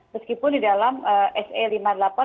meskipun di dalam s e lima puluh delapan